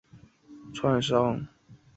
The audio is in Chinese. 细齿密叶槭为槭树科槭属下的一个变种。